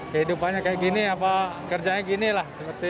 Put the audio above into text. kehidupannya kaya gini atau kerjanya gini lah